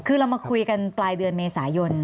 คือเรามาคุยกันปลายเดือนเมษายน